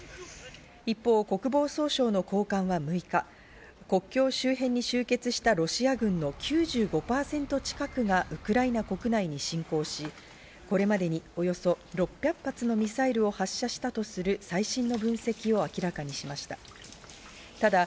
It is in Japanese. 一方、国防総省の高官は６日、国境周辺に集結したロシア軍の９５％近くがウクライナ国内に侵攻し、これまでにおよそ６００発のミサイルを発射したとする最新の分析を明らかにしました。